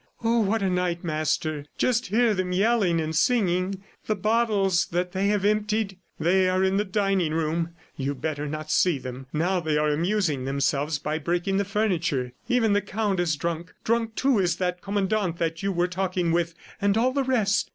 "Oh, what a night, Master! Just hear them yelling and singing! The bottles that they have emptied! ... They are in the dining room. You better not see them. Now they are amusing themselves by breaking the furniture. Even the Count is drunk; drunk, too, is that Commandant that you were talking with, and all the rest.